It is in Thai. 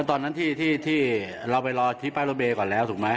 ตอนนั้นที่เราไปรอที่ป้ายรถเมย์ก่อนแล้วถูกไหม